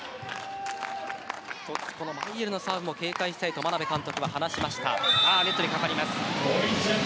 マイエルのサーブに警戒したいと眞鍋監督が話していました。